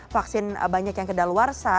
vaksin banyak yang kedaluarsa